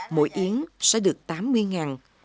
mỗi yến sẽ được tám mươi ngàn